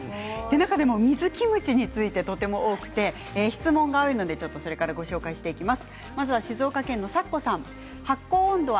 中でも水キムチについてとても多くて質問が多いのでそれからご紹介していきます。